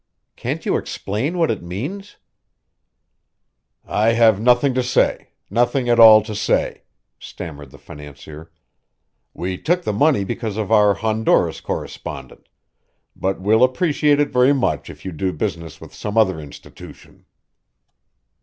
"Can't you explain what it means?" "I have nothing to say nothing at all to say," stammered the financier. "We took the money because of our Honduras correspondent, but we'll appreciate it very much if you do business with some other institution."